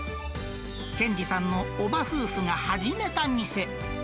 健次さんのおば夫婦が始めた店。